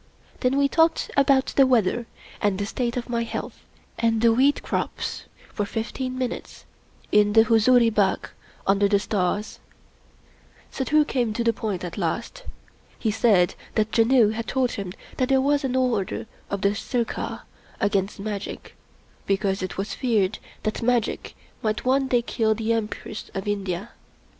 Then we talked about the weather and the state of my health, and the wheat crops, for fifteen minutes, in the Huzuri Bagh, under the stars. Suddhoo came to' the point at last. He said that Janoo had told him that there was an order of the Sirkar against magic, because it was feared that magic might one day kill the Empress of India.